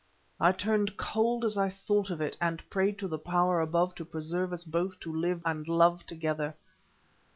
I turned cold as I thought of it, and prayed to the Power above to preserve us both to live and love together.